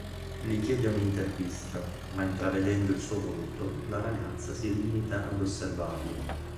Gli chiede un'intervista, ma intravedendo il suo volto, la ragazza si limita ad osservarlo.